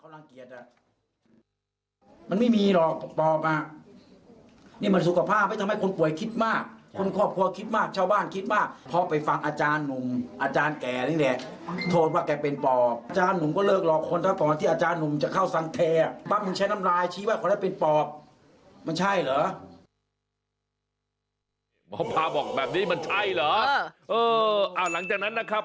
หมอปลาบอกแบบนี้มันใช่เหรอเออเอาหลังจากนั้นนะครับ